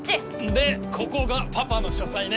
でここがパパの書斎ね。